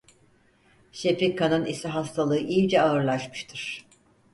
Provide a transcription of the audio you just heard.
Şefika'nın ise hastalığı iyice ağırlaşmıştır.